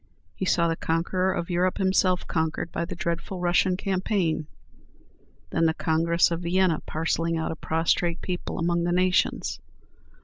He saw the conqueror of Europe himself conquered by the dreadful Russian campaign: then the Congress of Vienna parcelling out a prostrate people among the nations.